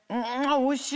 おいしい！